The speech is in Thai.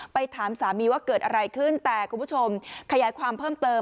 ถามสามีว่าเกิดอะไรขึ้นแต่คุณผู้ชมขยายความเพิ่มเติม